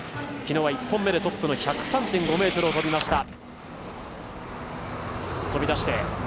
きのうは１本目でトップの１０３．５ｍを飛びました。